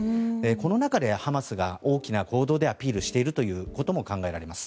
この中でハマスが大きな行動でアピールしているということも考えられます。